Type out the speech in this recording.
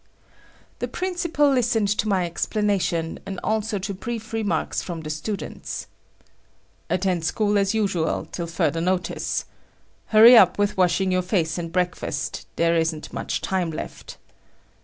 The principal listened to my explanation, and also to brief remarks from the students. "Attend school as usual till further notice. Hurry up with washing your face and breakfast; there isn't much time left."